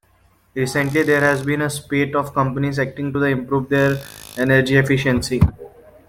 Recently there has been a spate of companies acting to improve their energy efficiency.